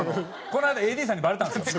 この間ＡＤさんにバレたんですよ。